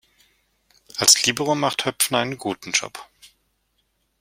Als Libero macht Höpfner einen guten Job.